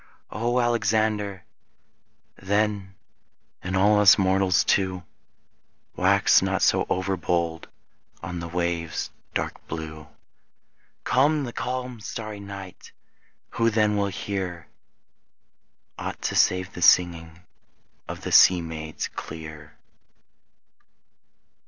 ... O Alexander, then, In all us mortals too, Wax not so overbold On the wave dark blue! Come the calm starry night, Who then will hear Aught save the singing Of the sea maids clear?